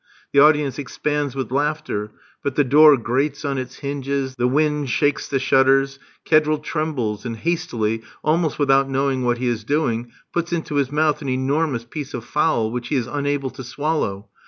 The audience expands with laughter; but the door grates on its hinges, the winds shakes the shutters, Kedril trembles, and hastily, almost without knowing what he is doing, puts into his mouth an enormous piece of fowl, which he is unable to swallow.